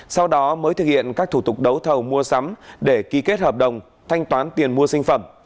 sau đó mới thực hiện các thủ tục đấu thầu mua sắm để ký kết hợp đồng thanh toán tiền mua sinh phẩm